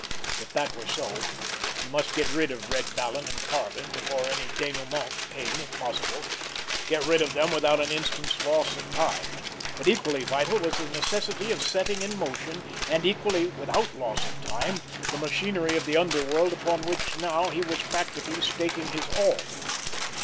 If that were so, he must get rid of Red Vallon and Karlin before any dénouement came if possible, get rid of them without an instant's loss of time; but equally vital was the necessity of setting in motion, and equally without loss of time, the machinery of the underworld upon which now he was practically staking his all.